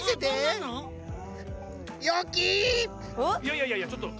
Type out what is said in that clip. いやいやいやちょっと。